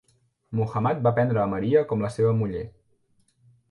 Muhammad va prendre a Maria com la seva muller.